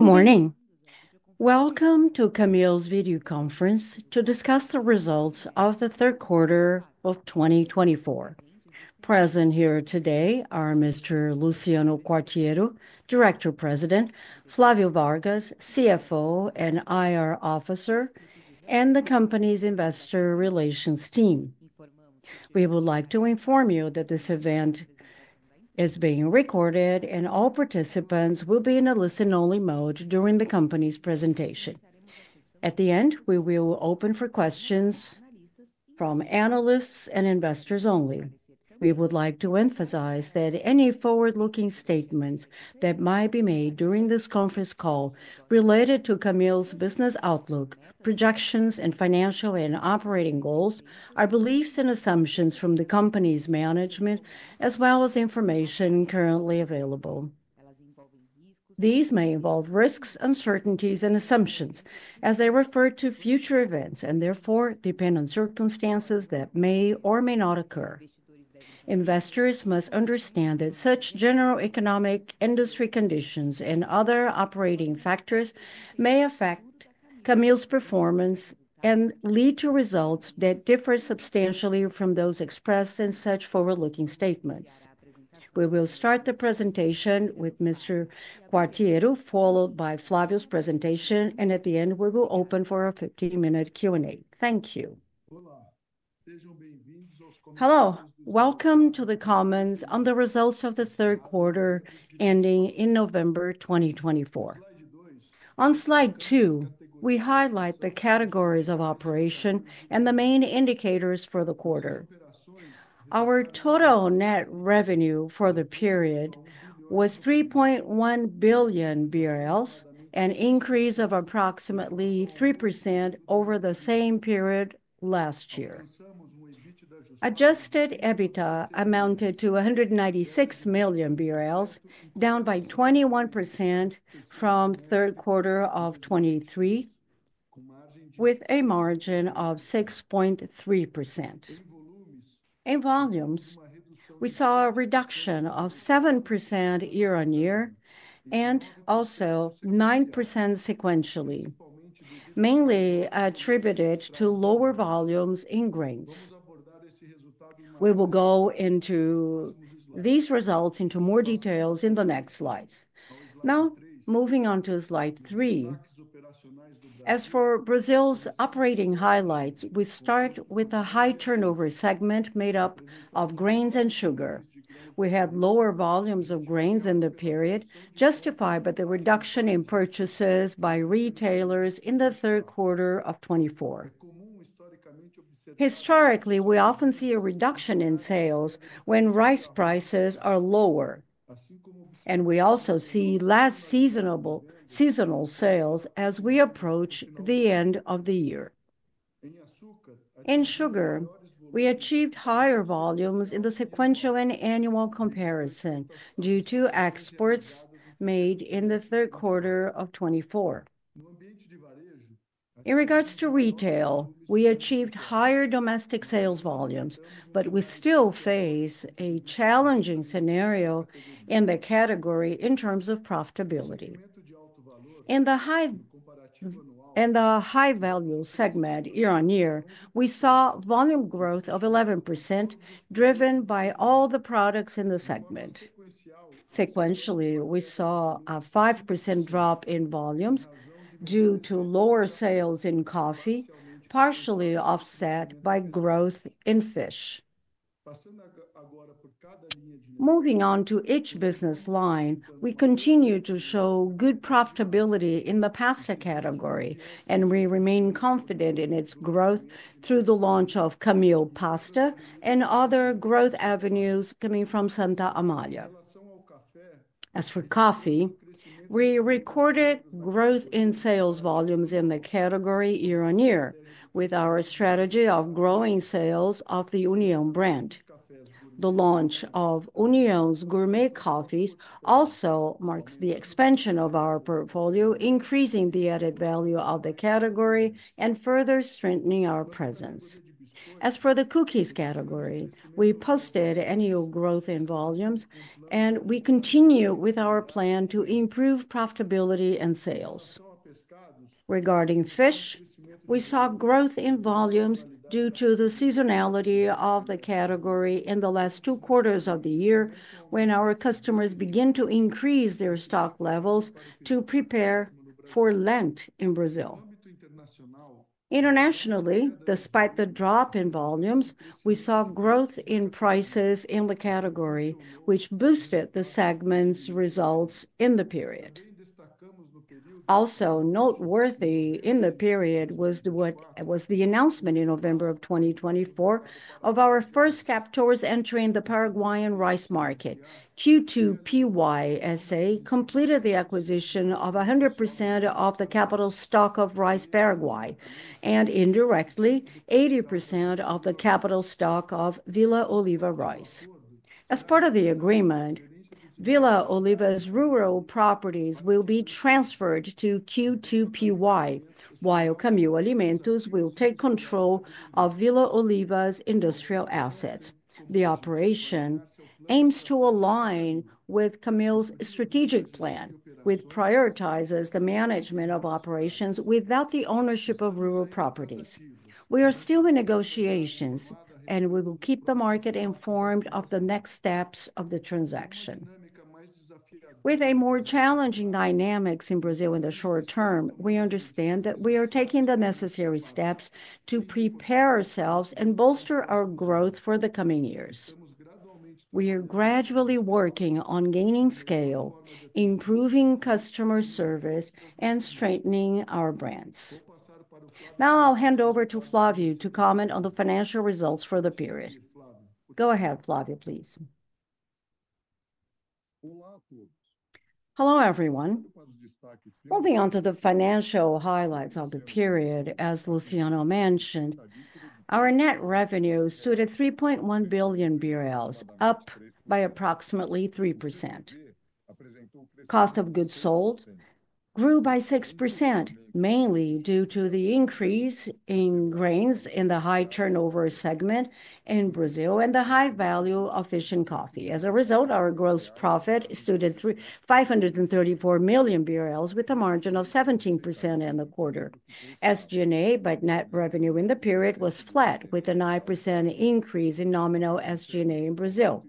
Good morning. Welcome to Camil's video conference to discuss the results of the third quarter of 2024. Present here today are Mr. Luciano Quartiero, Director-President, Flávio Vargas, CFO and IR Officer, and the company's investor relations team. We would like to inform you that this event is being recorded, and all participants will be in a listen-only mode during the company's presentation. At the end, we will open for questions from analysts and investors only. We would like to emphasize that any forward-looking statements that might be made during this conference call related to Camil's business outlook, projections, and financial and operating goals are beliefs and assumptions from the company's management, as well as information currently available. These may involve risks, uncertainties, and assumptions, as they refer to future events and therefore depend on circumstances that may or may not occur. Investors must understand that such general economic industry conditions and other operating factors may affect Camil's performance and lead to results that differ substantially from those expressed in such forward-looking statements. We will start the presentation with Mr. Quartiero, followed by Flávio's presentation, and at the end, we will open for a 15-minute Q&A. Thank you. Hello. Welcome to the comments on the results of the third quarter ending in November 2024. On slide two, we highlight the categories of operation and the main indicators for the quarter. Our total net revenue for the period was 3.1 billion BRL, an increase of approximately 3% over the same period last year. Adjusted EBITDA amounted to 196 million BRL, down by 21% from third quarter of 2023, with a margin of 6.3%. In volumes, we saw a reduction of 7% year-on-year and also 9% sequentially, mainly attributed to lower volumes in grains. We will go into these results into more details in the next slides. Now, moving on to slide three. As for Brazil's operating highlights, we start with a high turnover segment made up of grains and sugar. We had lower volumes of grains in the period, justified by the reduction in purchases by retailers in the third quarter of 2024. Historically, we often see a reduction in sales when rice prices are lower, and we also see less seasonal sales as we approach the end of the year. In sugar, we achieved higher volumes in the sequential and annual comparison due to exports made in the third quarter of 2024. In regards to retail, we achieved higher domestic sales volumes, but we still face a challenging scenario in the category in terms of profitability. In the high-value segment year-on-year, we saw volume growth of 11% driven by all the products in the segment. Sequentially, we saw a 5% drop in volumes due to lower sales in coffee, partially offset by growth in fish. Moving on to each business line, we continue to show good profitability in the pasta category, and we remain confident in its growth through the launch of Camil Pasta and other growth avenues coming from Santa Amália. As for coffee, we recorded growth in sales volumes in the category year-on-year with our strategy of growing sales of the União brand. The launch of União's gourmet coffees also marks the expansion of our portfolio, increasing the added value of the category and further strengthening our presence. As for the cookies category, we posted annual growth in volumes, and we continue with our plan to improve profitability and sales. Regarding fish, we saw growth in volumes due to the seasonality of the category in the last two quarters of the year when our customers began to increase their stock levels to prepare for Lent in Brazil. Internationally, despite the drop in volumes, we saw growth in prices in the category, which boosted the segment's results in the period. Also noteworthy in the period was the announcement in November of 2024 of our first acquisitions entering the Paraguayan rice market. Q2PY S.A. completed the acquisition of 100% of the capital stock of Rice Paraguay and indirectly 80% of the capital stock of Villa Oliva Rice. As part of the agreement, Villa Oliva's rural properties will be transferred to Q2PY, while Camil Alimentos will take control of Villa Oliva's industrial assets. The operation aims to align with Camil's strategic plan, which prioritizes the management of operations without the ownership of rural properties. We are still in negotiations, and we will keep the market informed of the next steps of the transaction. With more challenging dynamics in Brazil in the short term, we understand that we are taking the necessary steps to prepare ourselves and bolster our growth for the coming years. We are gradually working on gaining scale, improving customer service, and strengthening our brands. Now I'll hand over to Flávio to comment on the financial results for the period. Go ahead, Flávio, please. Hello everyone. Moving on to the financial highlights of the period, as Luciano mentioned, our net revenue stood at 3.1 billion BRL, up by approximately 3%. Cost of goods sold grew by 6%, mainly due to the increase in grains in the high turnover segment in Brazil and the high value of fish and coffee. As a result, our gross profit stood at 534 million BRL, with a margin of 17% in the quarter. SG&A by net revenue in the period was flat, with a 9% increase in nominal SG&A in Brazil.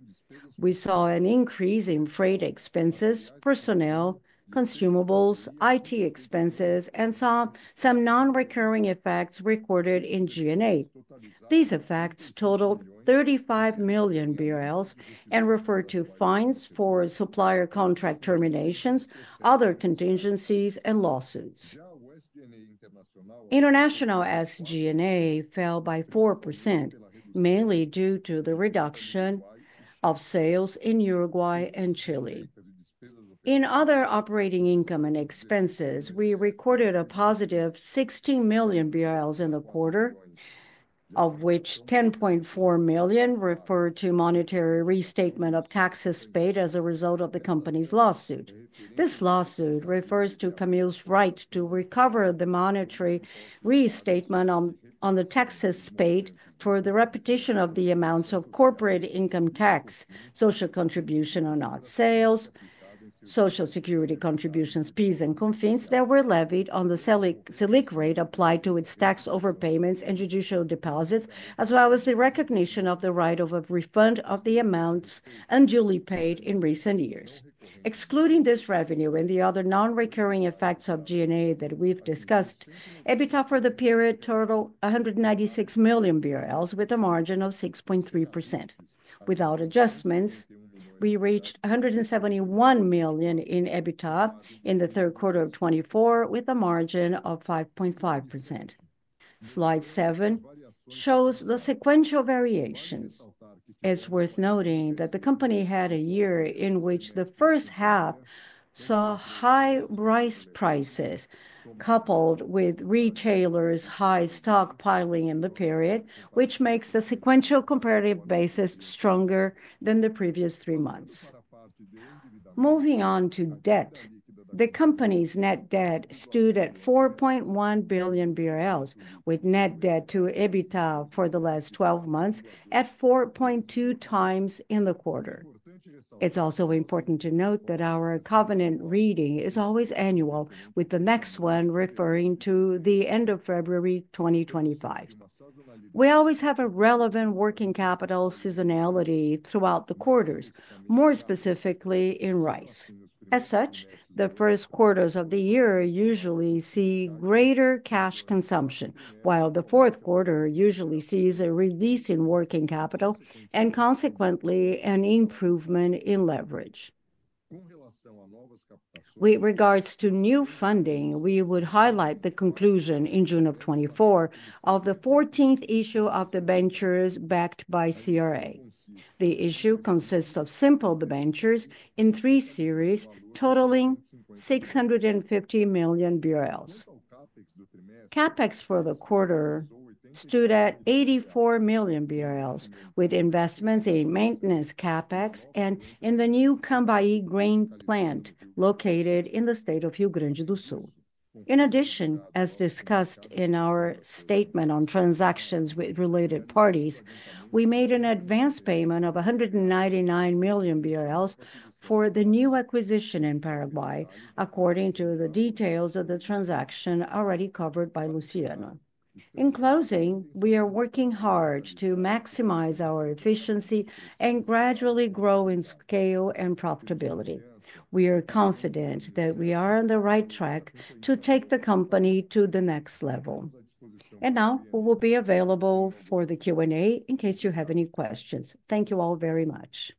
We saw an increase in freight expenses, personnel, consumables, IT expenses, and some non-recurring effects recorded in G&A. These effects totaled 35 million BRL and refer to fines for supplier contract terminations, other contingencies, and lawsuits. International SG&A fell by 4%, mainly due to the reduction of sales in Uruguay and Chile. In other operating income and expenses, we recorded a positive 16 million in the quarter, of which 10.4 million refer to monetary restatement of taxes paid as a result of the company's lawsuit. This lawsuit refers to Camil's right to recover the monetary restatement on the taxes paid for the repetition of the amounts of corporate income tax, social contribution on odd sales, social security contributions, PIS, and COFINS that were levied on the Selic rate applied to its tax overpayments and judicial deposits, as well as the recognition of the right of a refund of the amounts unduly paid in recent years. Excluding this revenue and the other non-recurring effects of G&A that we've discussed, EBITDA for the period totaled 196 million BRL, with a margin of 6.3%. Without adjustments, we reached 171 million in EBITDA in the third quarter of 2024, with a margin of 5.5%. Slide seven shows the sequential variations. It's worth noting that the company had a year in which the first half saw high rice prices, coupled with retailers' high stockpiling in the period, which makes the sequential comparative basis stronger than the previous three months. Moving on to debt, the company's net debt stood at 4.1 billion BRL, with net debt to EBITDA for the last 12 months at 4.2 times in the quarter. It's also important to note that our covenant reading is always annual, with the next one referring to the end of February 2025. We always have a relevant working capital seasonality throughout the quarters, more specifically in rice. As such, the first quarters of the year usually see greater cash consumption, while the fourth quarter usually sees a release in working capital and consequently an improvement in leverage. With regards to new funding, we would highlight the conclusion in June 2024 of the 14th issue of the debentures backed by CRA. The issue consists of simple debentures in three series totaling 650 million BRL. CapEx for the quarter stood at 84 million BRL, with investments in maintenance CapEx and in the new Camaquã grain plant located in the state of Rio Grande do Sul. In addition, as discussed in our statement on transactions with related parties, we made an advance payment of 199 million BRL for the new acquisition in Paraguay, according to the details of the transaction already covered by Luciano. In closing, we are working hard to maximize our efficiency and gradually grow in scale and profitability. We are confident that we are on the right track to take the company to the next level. And now we will be available for the Q&A in case you have any questions. Thank you all very much.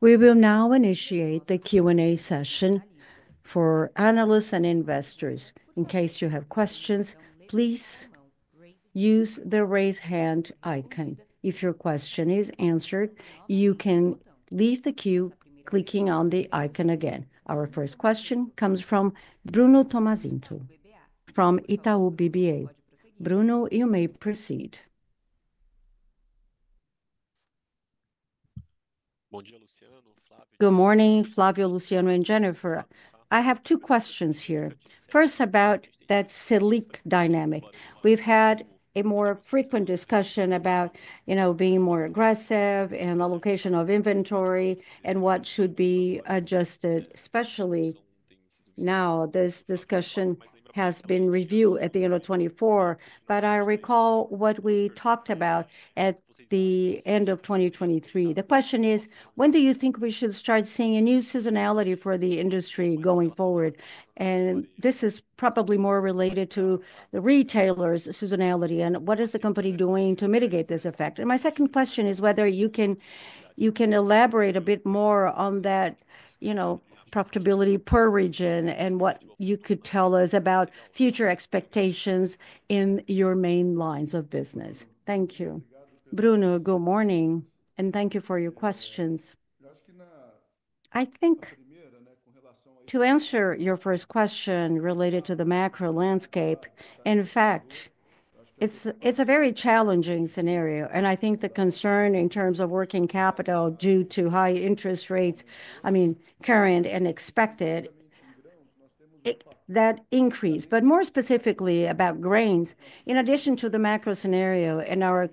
We will now initiate the Q&A session for analysts and investors. In case you have questions, please use the raise hand icon. If your question is answered, you can leave the queue clicking on the icon again. Our first question comes from Bruno Tomazetto from Itaú BBA. Bruno, you may proceed. Good morning, Flávio, Luciano, and Jennifer. I have two questions here. First, about that selling dynamic. We've had a more frequent discussion about, you know, being more aggressive in allocation of inventory and what should be adjusted, especially now this discussion has been reviewed at the end of 2024, but I recall what we talked about at the end of 2023. The question is, when do you think we should start seeing a new seasonality for the industry going forward? And this is probably more related to the retailers' seasonality. And what is the company doing to mitigate this effect? And my second question is whether you can elaborate a bit more on that, you know, profitability per region and what you could tell us about future expectations in your main lines of business. Thank you. Bruno, good morning, and thank you for your questions. I think to answer your first question related to the macro landscape, in fact, it's a very challenging scenario, and I think the concern in terms of working capital due to high interest rates, I mean, current and expected, that increase. More specifically about grains, in addition to the macro scenario and our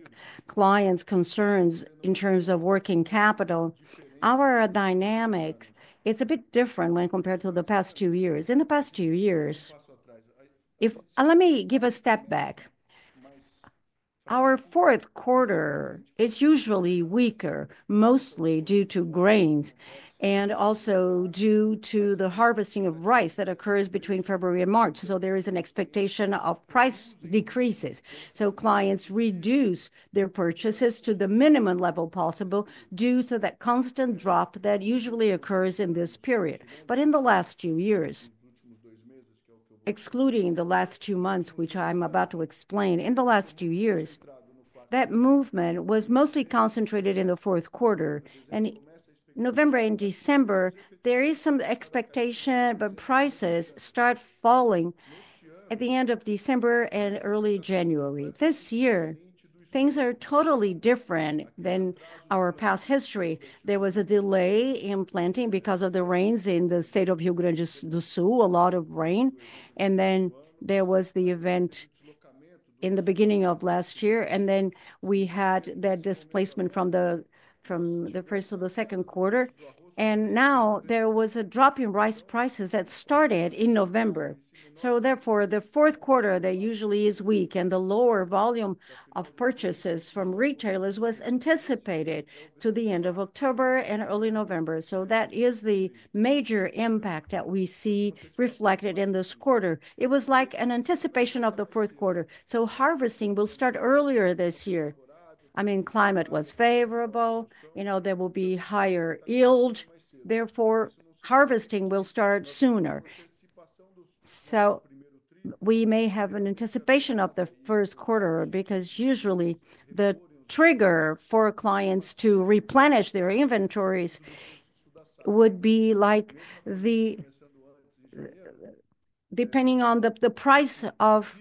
clients' concerns in terms of working capital, our dynamic is a bit different when compared to the past two years. In the past two years, let me take a step back, our fourth quarter is usually weaker, mostly due to grains and also due to the harvesting of rice that occurs between February and March. There is an expectation of price decreases. Clients reduce their purchases to the minimum level possible due to that constant drop that usually occurs in this period. In the last few years, excluding the last two months, which I'm about to explain, in the last few years, that movement was mostly concentrated in the fourth quarter. In November and December, there is some expectation, but prices start falling at the end of December and early January. This year, things are totally different than our past history. There was a delay in planting because of the rains in the state of Rio Grande do Sul, a lot of rain, and then there was the event in the beginning of last year, and then we had that displacement from the first to the second quarter, and now there was a drop in rice prices that started in November, so therefore, the fourth quarter there usually is weak, and the lower volume of purchases from retailers was anticipated to the end of October and early November, so that is the major impact that we see reflected in this quarter. It was like an anticipation of the fourth quarter, so harvesting will start earlier this year. I mean, climate was favorable. You know, there will be higher yield. Therefore, harvesting will start sooner. So we may have an anticipation of the first quarter because usually the trigger for clients to replenish their inventories would be like, depending on the price of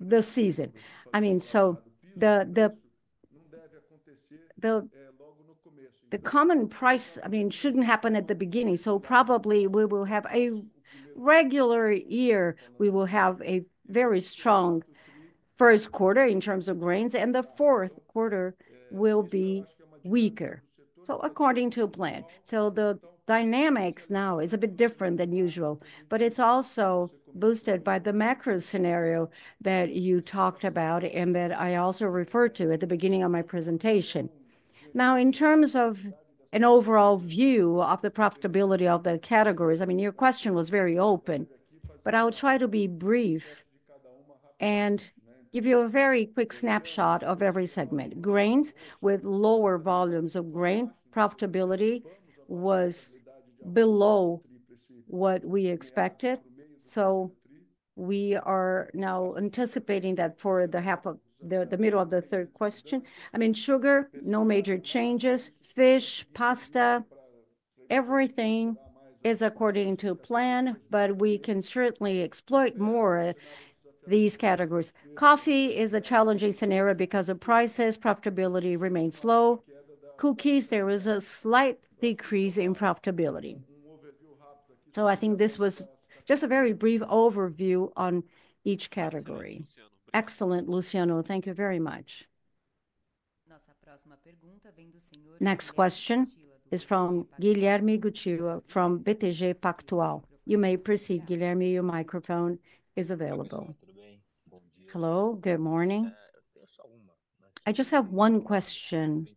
the season. I mean, so the commodity price, I mean, shouldn't happen at the beginning. Probably we will have a regular year. We will have a very strong first quarter in terms of grains, and the fourth quarter will be weaker. According to plan, the dynamics now is a bit different than usual, but it's also boosted by the macro scenario that you talked about and that I also referred to at the beginning of my presentation. Now, in terms of an overall view of the profitability of the categories, I mean, your question was very open, but I'll try to be brief and give you a very quick snapshot of every segment. Grains with lower volumes of grain profitability was below what we expected. So we are now anticipating that for the half of the middle of the third question. I mean, sugar, no major changes. Fish, pasta, everything is according to plan, but we can certainly exploit more of these categories. Coffee is a challenging scenario because of prices. Profitability remains low. Cookies, there is a slight decrease in profitability. So I think this was just a very brief overview on each category. Excellent, Luciano. Thank you very much. Next question is from Guilherme Guttilla from BTG Pactual. You may proceed, Guilherme. Your microphone is available. Hello, good morning. I just have one question.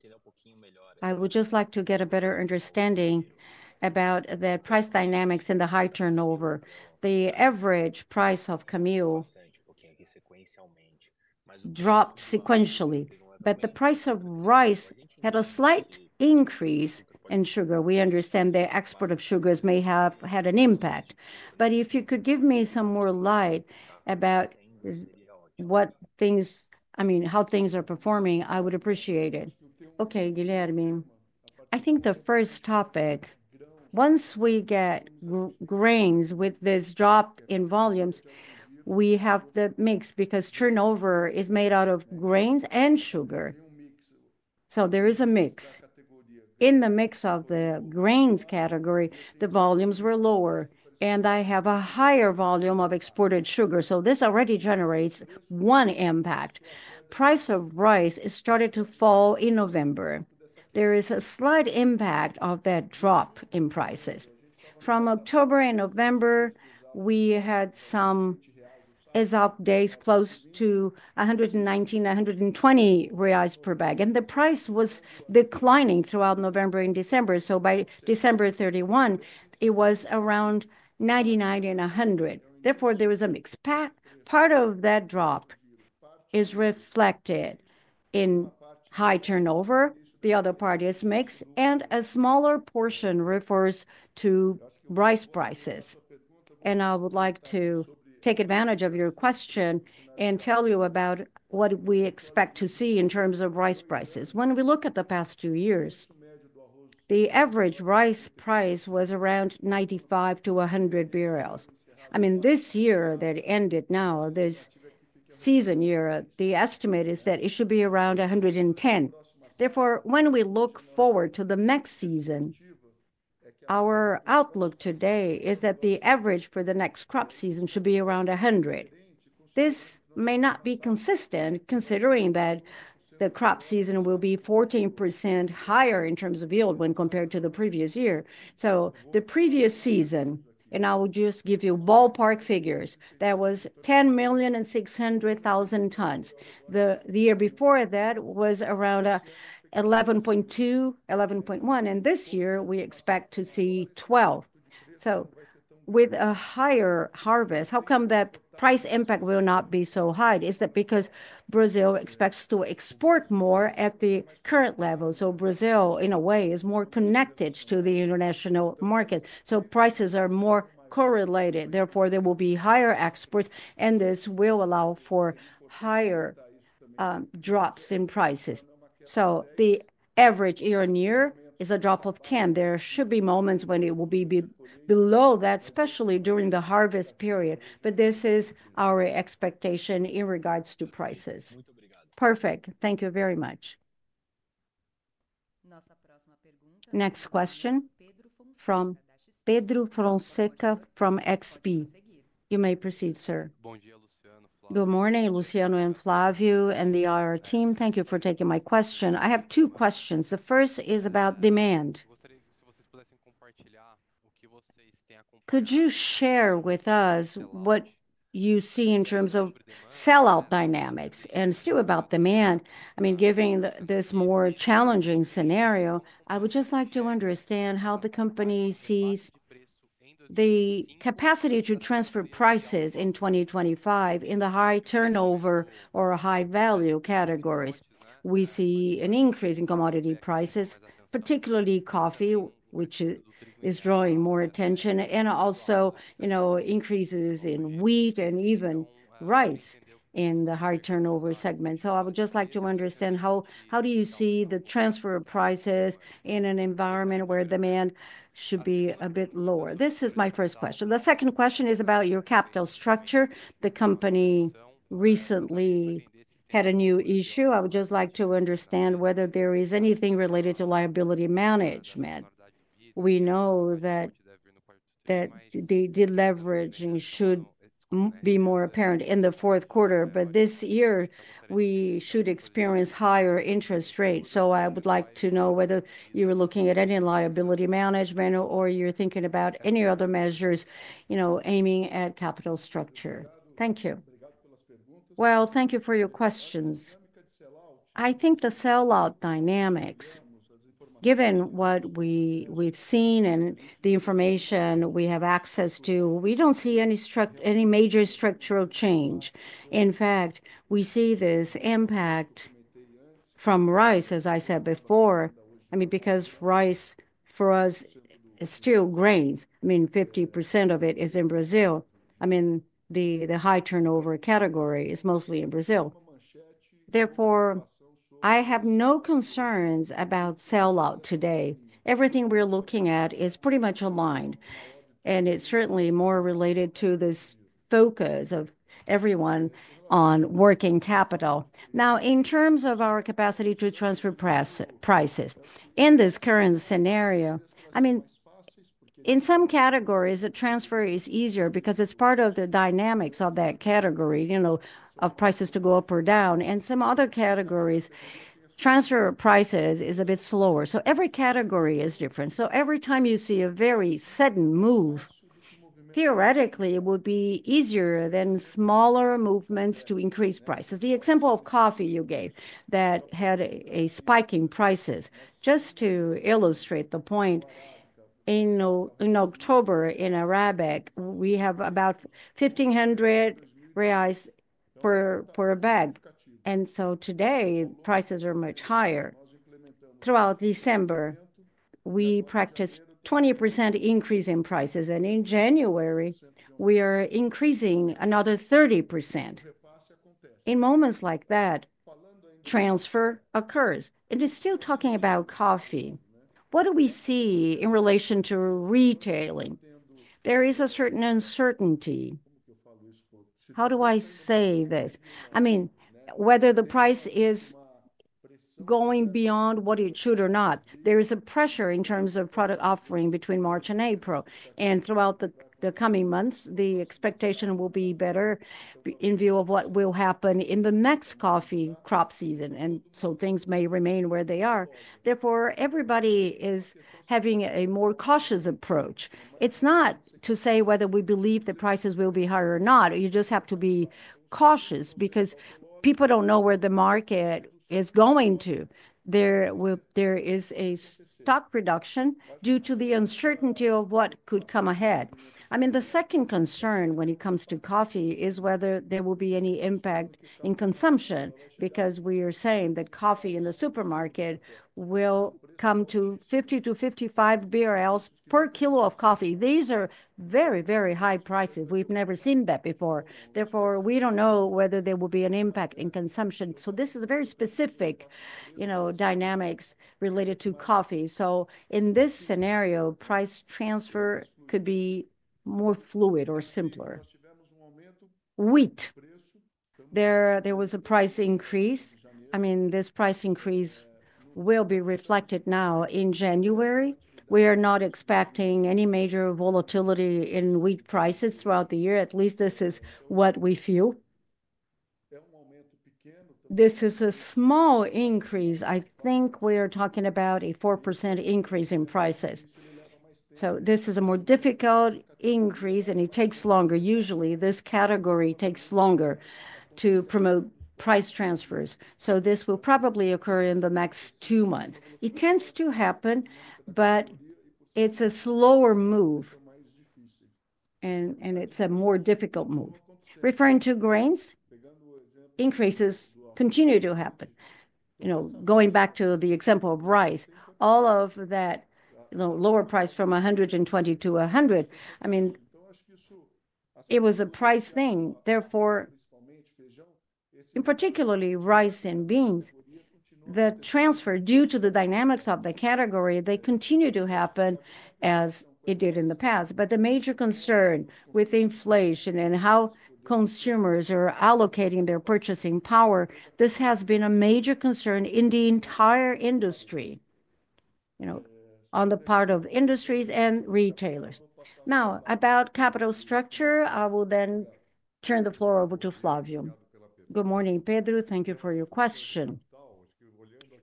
I would just like to get a better understanding about the price dynamics and the high turnover. The average price of Camil dropped sequentially, but the price of rice had a slight increase in sugar. We understand the export of sugars may have had an impact, but if you could give me some more light about what things, I mean, how things are performing, I would appreciate it. Okay, Guilherme. I think the first topic, once we get grains with this drop in volumes, we have the mix because turnover is made out of grains and sugar. So there is a mix. In the mix of the grains category, the volumes were lower, and I have a higher volume of exported sugar. So this already generates one impact. The price of rice started to fall in November. There is a slight impact of that drop in prices. From October and November, we had some upside days close to 119-120 reais per bag, and the price was declining throughout November and December. So by December 31, it was around 99-100. Therefore, there was a mix. Part of that drop is reflected in High Turnover. The other part is mix, and a smaller portion refers to rice prices. I would like to take advantage of your question and tell you about what we expect to see in terms of rice prices. When we look at the past two years, the average rice price was around 95-100 BRL. I mean, this year that ended now, this season year, the estimate is that it should be around 110. Therefore, when we look forward to the next season, our outlook today is that the average for the next crop season should be around 100. This may not be consistent considering that the crop season will be 14% higher in terms of yield when compared to the previous year. So the previous season, and I will just give you ballpark figures, that was 10,600,000 tons. The year before that was around 11.2, 11.1, and this year we expect to see 12. So with a higher harvest, how come that price impact will not be so high? Is that because Brazil expects to export more at the current level? So Brazil, in a way, is more connected to the international market. So prices are more correlated. Therefore, there will be higher exports, and this will allow for higher drops in prices. So the average year-on-year is a drop of 10%. There should be moments when it will be below that, especially during the harvest period. But this is our expectation in regards to prices. Perfect. Thank you very much. Next question from Pedro Fonseca from XP. You may proceed, sir. Good morning, Luciano and Flávio and the IR team. Thank you for taking my question. I have two questions. The first is about demand. Could you share with us what you see in terms of sellout dynamics and still about demand? I mean, given this more challenging scenario, I would just like to understand how the company sees the capacity to transfer prices in 2025 in the high turnover or high value categories. We see an increase in commodity prices, particularly coffee, which is drawing more attention, and also, you know, increases in wheat and even rice in the high turnover segment. So I would just like to understand how do you see the transfer of prices in an environment where demand should be a bit lower? This is my first question. The second question is about your capital structure. The company recently had a new issue. I would just like to understand whether there is anything related to liability management. We know that the leveraging should be more apparent in the fourth quarter, but this year we should experience higher interest rates. So I would like to know whether you're looking at any liability management or you're thinking about any other measures, you know, aiming at capital structure. Thank you. Well, thank you for your questions. I think the sellout dynamics, given what we've seen and the information we have access to, we don't see any major structural change. In fact, we see this impact from rice, as I said before. I mean, because rice for us is still grains. I mean, 50% of it is in Brazil. I mean, the high turnover category is mostly in Brazil. Therefore, I have no concerns about sellout today. Everything we're looking at is pretty much aligned, and it's certainly more related to this focus of everyone on working capital. Now, in terms of our capacity to transfer prices in this current scenario, I mean, in some categories, the transfer is easier because it's part of the dynamics of that category, you know, of prices to go up or down. In some other categories, transfer prices is a bit slower, so every category is different, so every time you see a very sudden move, theoretically, it would be easier than smaller movements to increase prices. The example of coffee you gave that had a spike in prices, just to illustrate the point, in October in Arabica, we have about 1,500 reais per bag, and so today, prices are much higher. Throughout December, we practiced a 20% increase in prices, and in January, we are increasing another 30%. In moments like that, transfer occurs, and it's still talking about coffee. What do we see in relation to retailing? There is a certain uncertainty. How do I say this? I mean, whether the price is going beyond what it should or not, there is a pressure in terms of product offering between March and April, and throughout the coming months, the expectation will be better in view of what will happen in the next coffee crop season, and so things may remain where they are. Therefore, everybody is having a more cautious approach. It's not to say whether we believe the prices will be higher or not. You just have to be cautious because people don't know where the market is going to. There is a stock reduction due to the uncertainty of what could come ahead. I mean, the second concern when it comes to coffee is whether there will be any impact in consumption because we are saying that coffee in the supermarket will come to 50-55 BRL per kilo of coffee. These are very, very high prices. We've never seen that before. Therefore, we don't know whether there will be an impact in consumption. So this is a very specific, you know, dynamics related to coffee. So in this scenario, price transfer could be more fluid or simpler. Wheat, there was a price increase. I mean, this price increase will be reflected now in January. We are not expecting any major volatility in wheat prices throughout the year. At least this is what we feel. This is a small increase. I think we are talking about a 4% increase in prices. So this is a more difficult increase, and it takes longer. Usually, this category takes longer to promote price transfers so this will probably occur in the next two months. It tends to happen, but it's a slower move, and it's a more difficult move. Referring to grains, increases continue to happen. You know, going back to the example of rice, all of that, you know, lower price from 120 to 100, I mean, it was a price thing. Therefore, in particular rice and beans, the transfer due to the dynamics of the category, they continue to happen as it did in the past but the major concern with inflation and how consumers are allocating their purchasing power, this has been a major concern in the entire industry, you know, on the part of industries and retailers. Now, about capital structure, I will then turn the floor over to Flávio. Good morning, Pedro. Thank you for your question.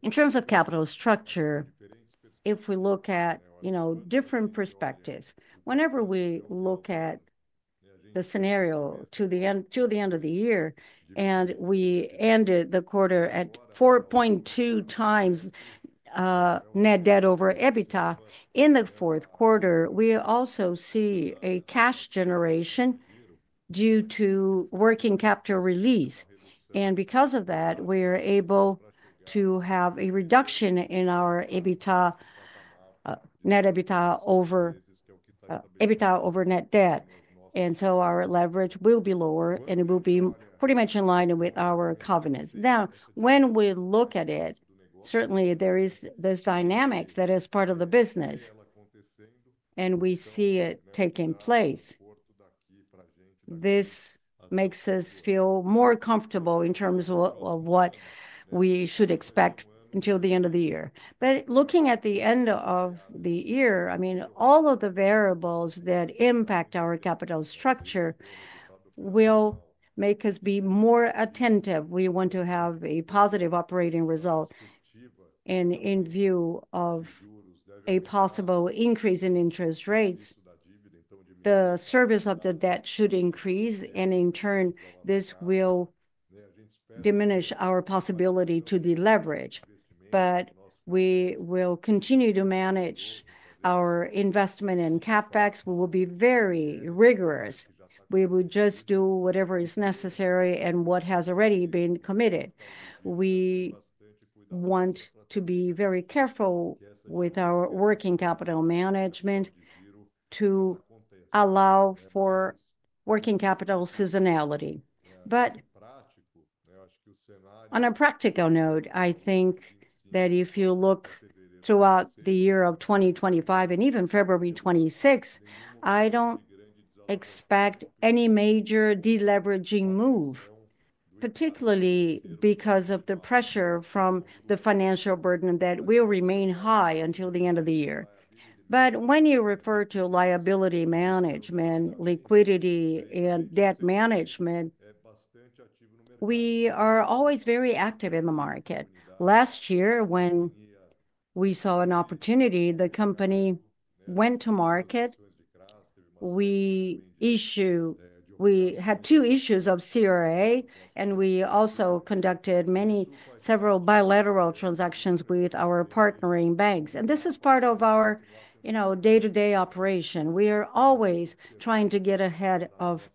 In terms of capital structure, if we look at, you know, different perspectives, whenever we look at the scenario to the end of the year and we ended the quarter at 4.2 times net debt over EBITDA in the fourth quarter, we also see a cash generation due to working capital release, and because of that, we are able to have a reduction in our net debt over EBITDA, and so our leverage will be lower, and it will be pretty much in line with our covenants. Now, when we look at it, certainly there is this dynamic that is part of the business, and we see it taking place. This makes us feel more comfortable in terms of what we should expect until the end of the year. But looking at the end of the year, I mean, all of the variables that impact our capital structure will make us be more attentive. We want to have a positive operating result. And in view of a possible increase in interest rates, the service of the debt should increase, and in turn, this will diminish our possibility to deleverage. But we will continue to manage our investment in CapEx. We will be very rigorous. We will just do whatever is necessary and what has already been committed. We want to be very careful with our working capital management to allow for working capital seasonality. But on a practical note, I think that if you look throughout the year of 2025 and even February 2026, I don't expect any major deleveraging move, particularly because of the pressure from the financial burden that will remain high until the end of the year. but when you refer to liability management, liquidity, and debt management, we are always very active in the market. Last year, when we saw an opportunity, the company went to market. We had two issues of CRA, and we also conducted several bilateral transactions with our partnering banks. And this is part of our, you know, day-to-day operation. We are always trying to get ahead of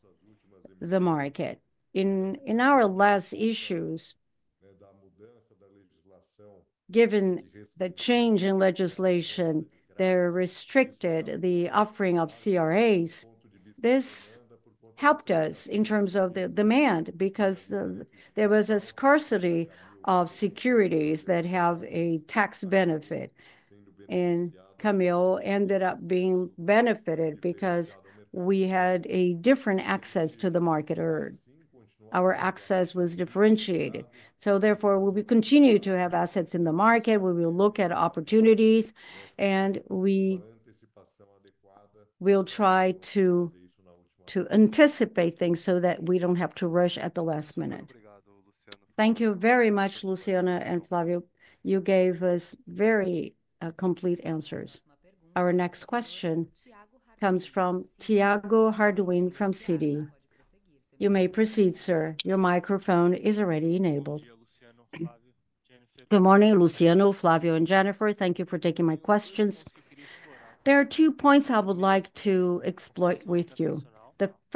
the market. In our last issues, given the change in legislation, they restricted the offering of CRAs. This helped us in terms of the demand because there was a scarcity of securities that have a tax benefit. Camil ended up being benefited because we had a different access to the market. Our access was differentiated. So therefore, we will continue to have assets in the market. We will look at opportunities, and we will try to anticipate things so that we don't have to rush at the last minute. Thank you very much, Luciano and Flávio. You gave us very complete answers. Our next question comes from Tiago Harduim from Citi. You may proceed, sir. Your microphone is already enabled. Good morning, Luciano, Flávio, and Jennifer. Thank you for taking my questions. There are two points I would like to explore with you.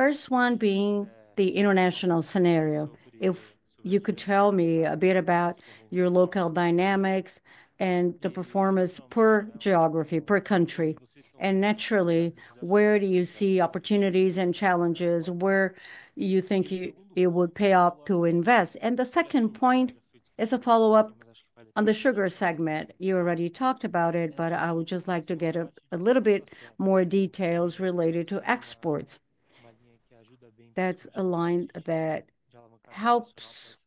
The first one being the international scenario. If you could tell me a bit about your local dynamics and the performance per geography, per country. And naturally, where do you see opportunities and challenges? Where do you think it would pay off to invest? And the second point is a follow-up on the sugar segment. You already talked about it, but I would just like to get a little bit more details related to exports. That's a line that helps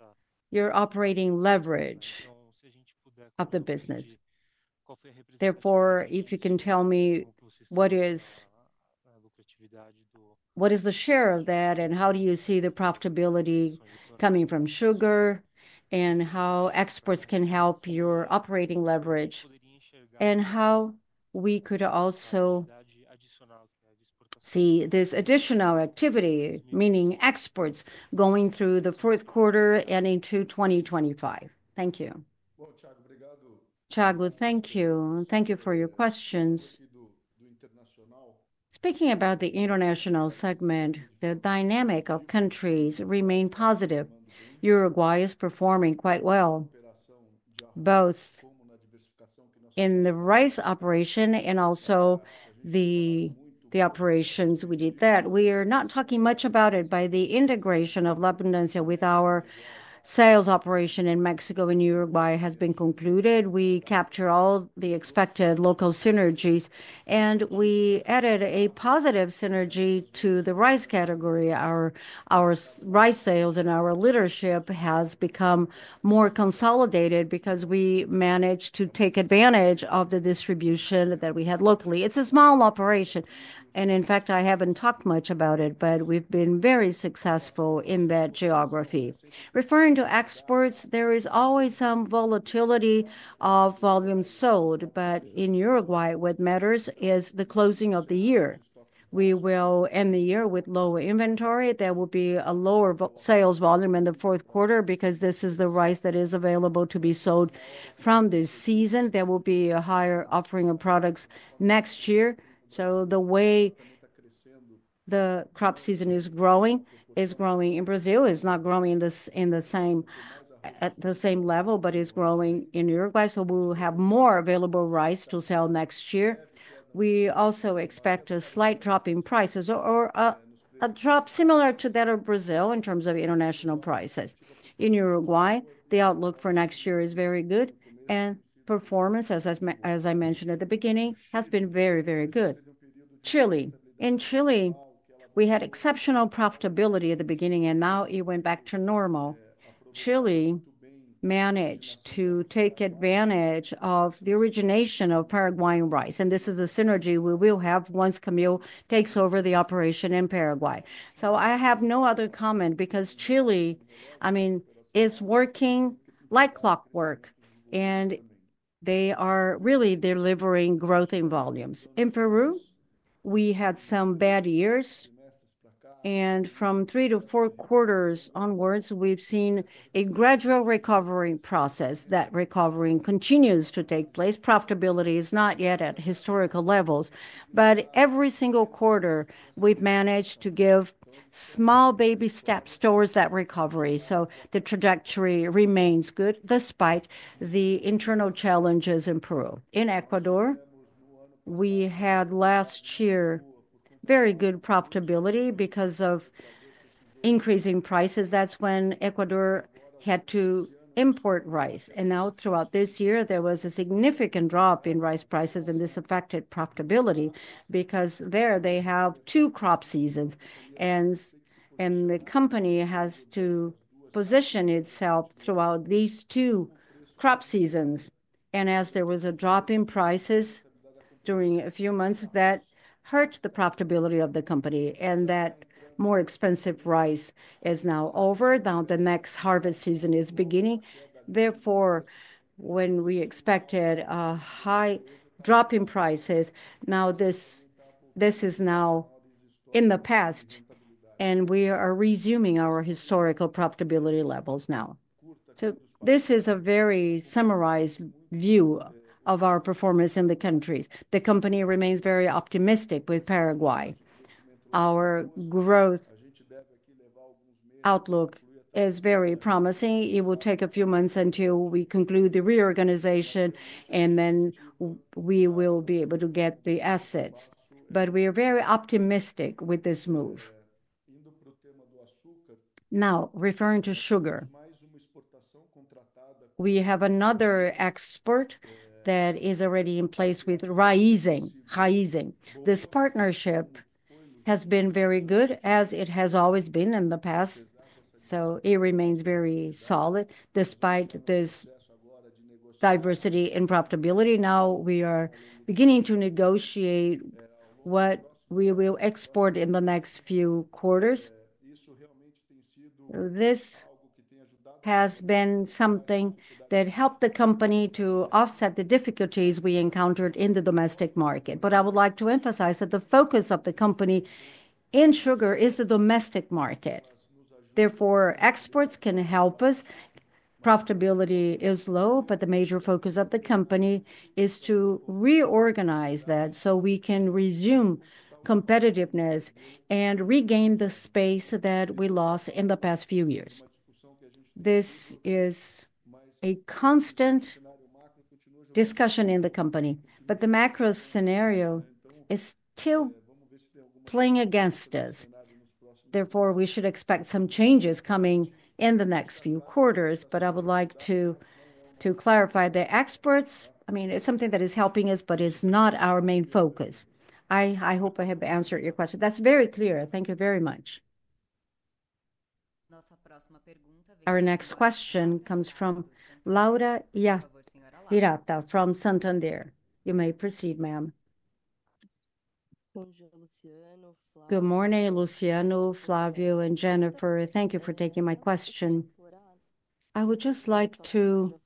your operating leverage of the business. Therefore, if you can tell me what is the share of that and how do you see the profitability coming from sugar and how exports can help your operating leverage and how we could also see this additional activity, meaning exports going through the fourth quarter and into 2025. Thank you. Thank you. Tiago, thank you for your questions. Speaking about the international segment, the dynamic of countries remains positive. Uruguay is performing quite well, both in the rice operation and also the operations we did that. We are not talking much about it, but the integration of Laupen with our sales operation in Mexico and Uruguay has been concluded. We capture all the expected local synergies, and we added a positive synergy to the rice category. Our rice sales and our leadership have become more consolidated because we managed to take advantage of the distribution that we had locally. It's a small operation, and in fact, I haven't talked much about it, but we've been very successful in that geography. Referring to exports, there is always some volatility of volume sold, but in Uruguay, what matters is the closing of the year. We will end the year with lower inventory. There will be a lower sales volume in the fourth quarter because this is the rice that is available to be sold from this season. There will be a higher offering of products next year. The way the crop season is growing in Brazil. It's not growing at the same level, but it's growing in Uruguay. So we will have more available rice to sell next year. We also expect a slight drop in prices or a drop similar to that of Brazil in terms of international prices. In Uruguay, the outlook for next year is very good, and performance, as I mentioned at the beginning, has been very, very good. Chile. In Chile, we had exceptional profitability at the beginning, and now it went back to normal. Chile managed to take advantage of the origination of Paraguayan rice. And this is a synergy we will have once Camil takes over the operation in Paraguay. So I have no other comment because Chile, I mean, is working like clockwork, and they are really delivering growth in volumes. In Peru, we had some bad years, and from three to four quarters onwards, we've seen a gradual recovery process. That recovery continues to take place. Profitability is not yet at historical levels, but every single quarter, we've managed to give small baby steps toward that recovery, so the trajectory remains good despite the internal challenges in Peru. In Ecuador, we had last year very good profitability because of increasing prices. That's when Ecuador had to import rice. Now, throughout this year, there was a significant drop in rice prices, and this affected profitability because there they have two crop seasons, and the company has to position itself throughout these two crop seasons. And as there was a drop in prices during a few months, that hurt the profitability of the company, and that more expensive rice is now over. Now, the next harvest season is beginning. Therefore, when we expected a high drop in prices, now this is now in the past, and we are resuming our historical profitability levels now. So this is a very summarized view of our performance in the countries. The company remains very optimistic with Paraguay. Our growth outlook is very promising. It will take a few months until we conclude the reorganization, and then we will be able to get the assets. But we are very optimistic with this move. Now, referring to sugar, we have another export that is already in place with Raízen. Raízen. This partnership has been very good, as it has always been in the past. So it remains very solid despite this diversity in profitability. Now, we are beginning to negotiate what we will export in the next few quarters. This has been something that helped the company to offset the difficulties we encountered in the domestic market. But I would like to emphasize that the focus of the company in sugar is the domestic market. Therefore, exports can help us. Profitability is low, but the major focus of the company is to reorganize that so we can resume competitiveness and regain the space that we lost in the past few years. This is a constant discussion in the company, but the macro scenario is still playing against us. Therefore, we should expect some changes coming in the next few quarters. But I would like to clarify the exports. I mean, it's something that is helping us, but it's not our main focus. I hope I have answered your question. That's very clear. Thank you very much. Our next question comes from Laura Hirata from Santander. You may proceed, ma'am. Good morning, Luciano, Flávio, and Jennifer. Thank you for taking my question. I would just like to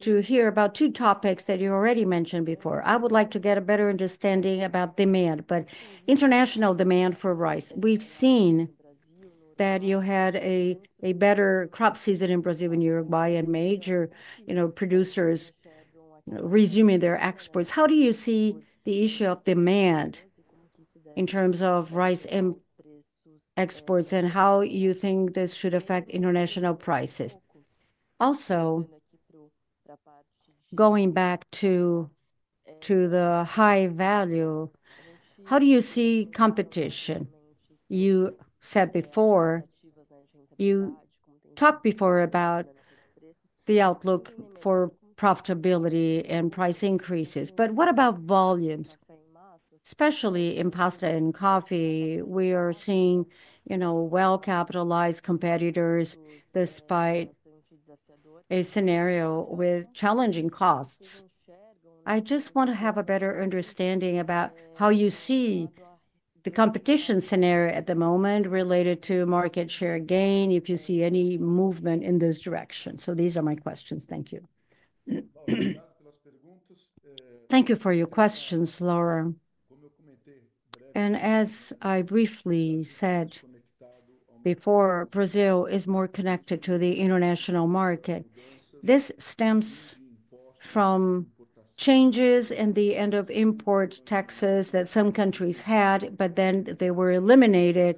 hear about two topics that you already mentioned before. I would like to get a better understanding about demand, but international demand for rice. We've seen that you had a better crop season in Brazil and Uruguay and major, you know, producers resuming their exports. How do you see the issue of demand in terms of rice exports and how you think this should affect international prices? Also, going back to the high value, how do you see competition? You said before, you talked before about the outlook for profitability and price increases. But what about volumes, especially in pasta and coffee? We are seeing, you know, well-capitalized competitors despite a scenario with challenging costs. I just want to have a better understanding about how you see the competition scenario at the moment related to market share gain, if you see any movement in this direction. These are my questions. Thank you. Thank you for your questions, Laura. As I briefly said before, Brazil is more connected to the international market. This stems from changes in the end-of-import taxes that some countries had, but then they were eliminated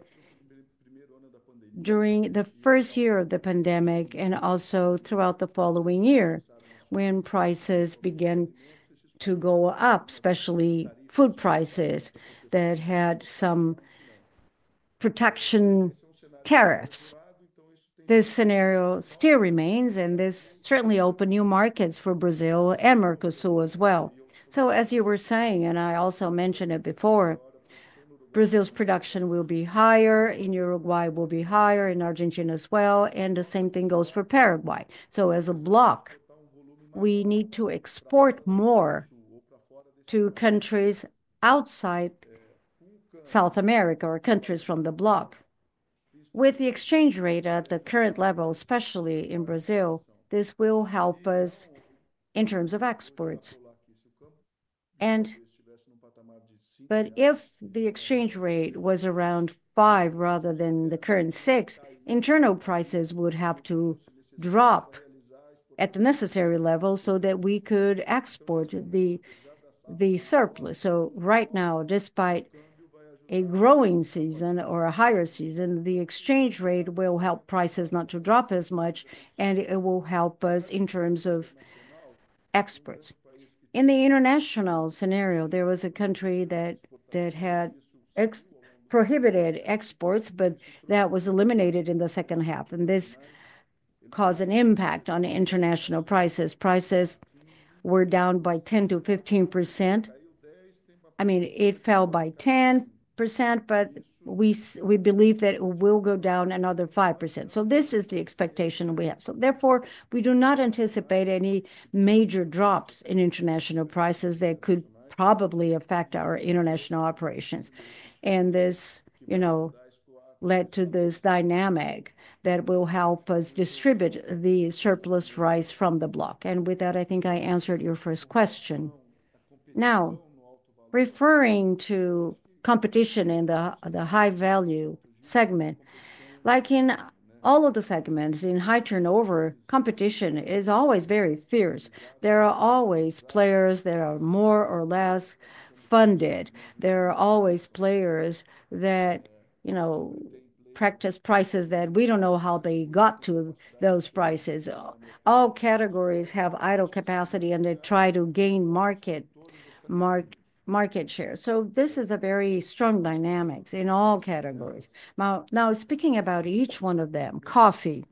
during the first year of the pandemic and also throughout the following year when prices began to go up, especially food prices that had some protection tariffs. This scenario still remains, and this certainly opened new markets for Brazil and Mercosur as well. As you were saying, and I also mentioned it before, Brazil's production will be higher in Uruguay, will be higher in Argentina as well, and the same thing goes for Paraguay. So, as a bloc, we need to export more to countries outside South America or countries from the bloc. With the exchange rate at the current level, especially in Brazil, this will help us in terms of exports. But if the exchange rate was around five rather than the current six, internal prices would have to drop at the necessary level so that we could export the surplus. So, right now, despite a growing season or a higher season, the exchange rate will help prices not to drop as much, and it will help us in terms of exports. In the international scenario, there was a country that had prohibited exports, but that was eliminated in the second half, and this caused an impact on international prices. Prices were down by 10%-15%. I mean, it fell by 10%, but we believe that it will go down another 5%. So, this is the expectation we have. So, therefore, we do not anticipate any major drops in international prices that could probably affect our international operations. And this, you know, led to this dynamic that will help us distribute the surplus rice from the bloc. And with that, I think I answered your first question. Now, referring to competition in the High Value segment, like in all of the segments in High Turnover, competition is always very fierce. There are always players that are more or less funded. There are always players that, you know, practice prices that we don't know how they got to those prices. All categories have idle capacity, and they try to gain market share. So, this is a very strong dynamic in all categories. Now, speaking about each one of them, coffee,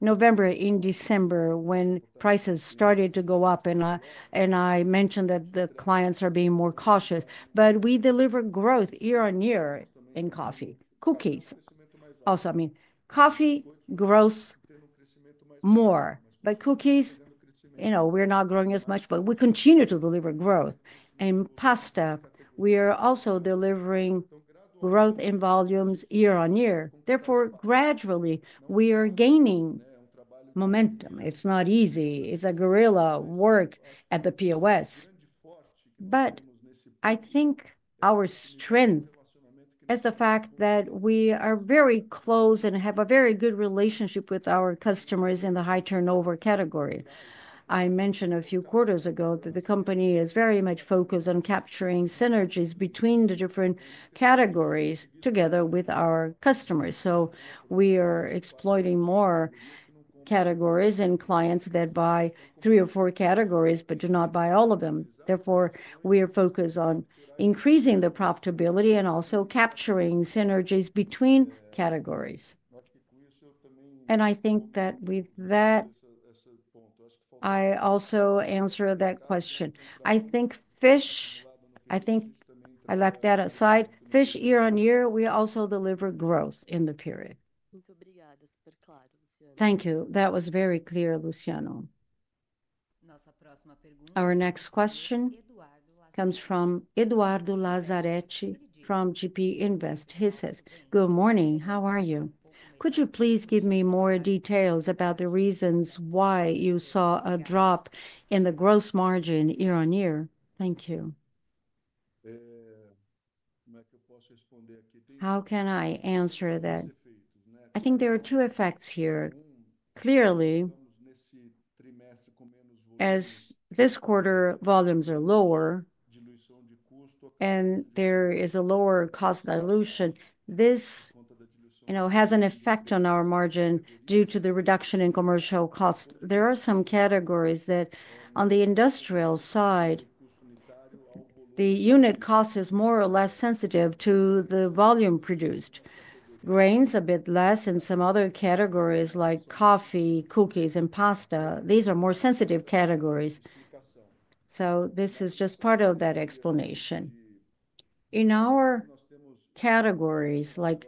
in November and December when prices started to go up, and I mentioned that the clients are being more cautious, but we deliver growth year-on-year in coffee. Cookies also, I mean, coffee grows more, but cookies, you know, we're not growing as much, but we continue to deliver growth. And pasta, we are also delivering growth in volumes year-on-year. Therefore, gradually, we are gaining momentum. It's not easy. It's a guerrilla work at the POS. But I think our strength is the fact that we are very close and have a very good relationship with our customers in the high turnover category. I mentioned a few quarters ago that the company is very much focused on capturing synergies between the different categories together with our customers. We are exploiting more categories and clients that buy three or four categories but do not buy all of them. Therefore, we are focused on increasing the profitability and also capturing synergies between categories. I think that with that, I also answered that question. I think fish, I think I left that aside. Fish year-on-year, we also deliver growth in the period. Thank you. That was very clear, Luciano. Our next question comes from Eduardo Lazaretti from Greenpool. He says, "Good morning. How are you? Could you please give me more details about the reasons why you saw a drop in the gross margin year-on-year?" Thank you. How can I answer that? I think there are two effects here. Clearly, as this quarter, volumes are lower, and there is a lower cost dilution. This, you know, has an effect on our margin due to the reduction in commercial costs. There are some categories that, on the industrial side, the unit cost is more or less sensitive to the volume produced. Grains a bit less, and some other categories like coffee, cookies, and pasta, these are more sensitive categories. So, this is just part of that explanation. In our categories, like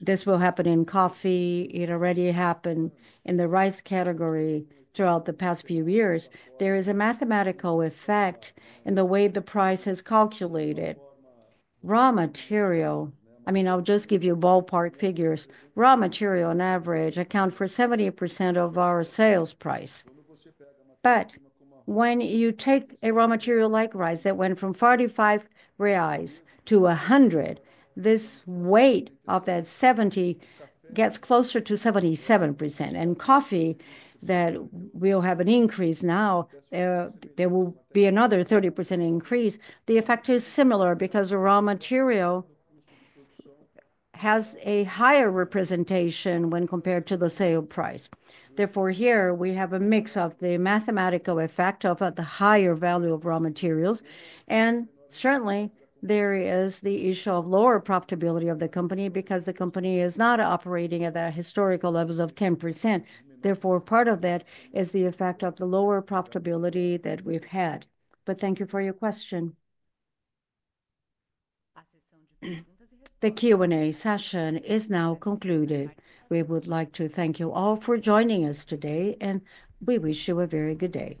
this will happen in coffee, it already happened in the rice category throughout the past few years. There is a mathematical effect in the way the price is calculated. Raw material, I mean, I'll just give you ballpark figures. Raw material, on average, accounts for 70% of our sales price. But when you take a raw material like rice that went from 45 reais to 100, this weight of that 70 gets closer to 77%. And coffee, that will have an increase now. There will be another 30% increase. The effect is similar because raw material has a higher representation when compared to the sale price. Therefore, here, we have a mix of the mathematical effect of the higher value of raw materials. And certainly, there is the issue of lower profitability of the company because the company is not operating at that historical levels of 10%. Therefore, part of that is the effect of the lower profitability that we've had. But thank you for your question. The Q&A session is now concluded. We would like to thank you all for joining us today, and we wish you a very good day.